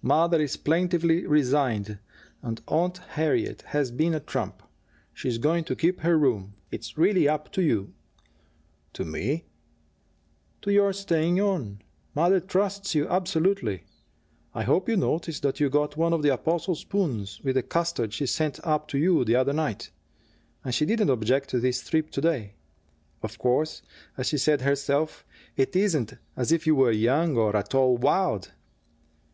"Mother is plaintively resigned and Aunt Harriet has been a trump. She's going to keep her room. It's really up to you." "To me?" "To your staying on. Mother trusts you absolutely. I hope you noticed that you got one of the apostle spoons with the custard she sent up to you the other night. And she didn't object to this trip to day. Of course, as she said herself, it isn't as if you were young, or at all wild."